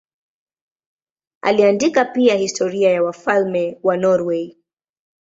Aliandika pia historia ya wafalme wa Norwei.